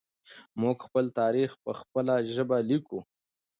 موږ خپل تاریخ په خپله ژبه لیکو.